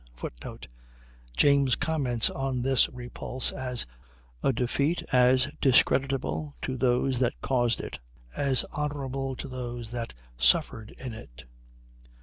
[Footnote: James comments on this repulse as "a defeat as discreditable to those that caused it as honorable to those that suffered in it."